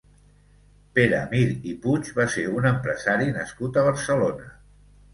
Pere Mir i Puig va ser un empresari nascut a Barcelona.